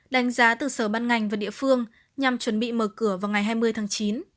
đánh giá từ sở ban ngành và địa phương nhằm chuẩn bị mở cửa vào ngày hai mươi tháng chín